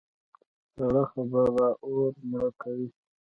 سړه خبره اور مړه کوي.